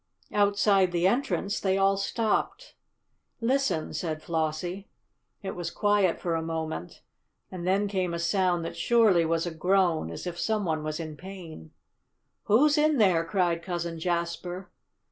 Outside the entrance they all stopped. "Listen!" said Flossie. It was quiet for a moment, and then came a sound that surely was a groan, as if some one was in pain. "Who's in there?" cried Cousin Jasper.